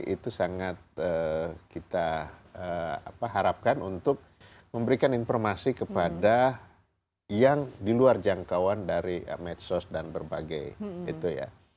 itu sangat kita harapkan untuk memberikan informasi kepada yang di luar jangkauan dari medsos dan berbagai itu ya